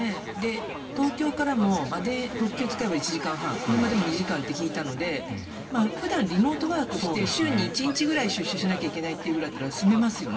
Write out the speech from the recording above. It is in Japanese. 東京からも特急を使えば１時間半車でも２時間って聞いたので普段、リモートワークして週に１日ぐらい出社しなきゃいけないぐらいだったら住めますよね。